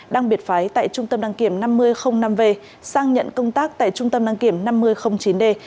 đang biệt phái tại trung tâm đăng kiểm năm mươi năm v sang nhận công tác tại trung tâm đăng kiểm năm mươi chín d